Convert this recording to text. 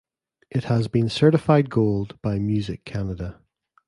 It has been certified Gold by Music Canada.